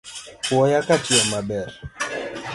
Puoya katimo maber.